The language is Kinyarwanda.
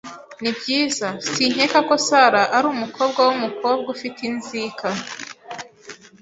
Nibyiza, sinkeka ko Sara ari umukobwa wumukobwa ufite inzika.